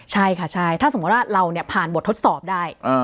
ใช่ค่ะใช่ถ้าสมมุติว่าเราผ่านบททดสอบได้